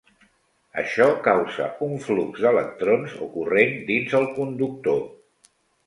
Això causa un flux d'electrons o corrent dins el conductor.